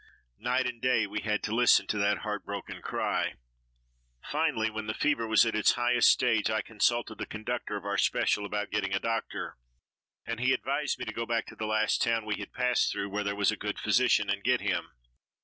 Night and day we had to listen to that heart broken cry. Finally, when the fever was at its highest stage I consulted the conductor of our special about getting a doctor and he advised me to go back to the last town we had passed through, where there was a good physician and get him.